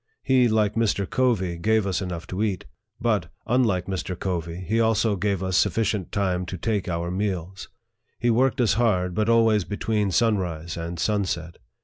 He, like Mr. Covey, gave us enough to eat ; but, unlike Mr. Covey, he also gave us sufficient time to take our meals. He worked us hard, but always between sunrise and sunset.